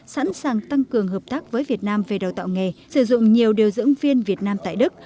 sẵn sàng tăng cường hợp tác với việt nam về đào tạo nghề sử dụng nhiều điều dưỡng viên việt nam tại đức